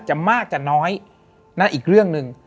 มากจะน้อยนั่นอีกเรื่องหนึ่ง